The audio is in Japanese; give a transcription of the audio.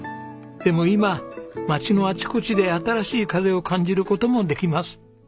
でも今町のあちこちで新しい風を感じる事もできます。